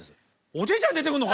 おじいちゃん出てくるのか？